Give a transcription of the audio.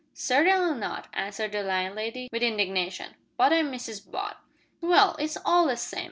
"Certainly not," answered the landlady, with indignation; "but I'm Mrs Butt." "Well, it's all the same.